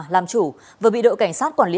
làm chủ và bị đội cảnh sát quản lý